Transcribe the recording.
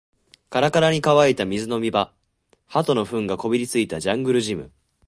カラカラに乾いた水飲み場、鳩の糞がこびりついたジャングルジム